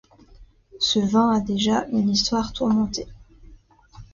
Ce vin a déjà une histoire tourmentée.